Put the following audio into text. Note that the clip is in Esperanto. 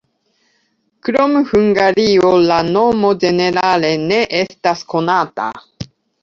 Krom Hungario la nomo ĝenerale ne estas konata.